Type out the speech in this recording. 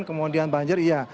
kemudian banjir iya